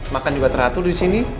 makan juga teratur disini